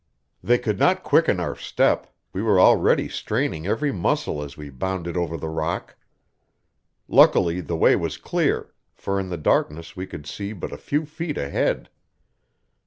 They could not quicken our step; we were already straining every muscle as we bounded over the rock. Luckily, the way was clear, for in the darkness we could see but a few feet ahead.